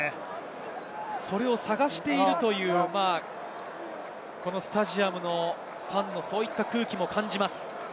それを探している、スタジアムのファンもそういった空気を感じます。